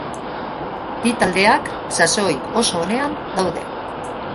Bi taldeak sasoi oso onean daude.